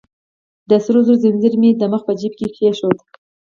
د سرو زرو ځنځیر مې يې د مخ په جیب کې کېښود.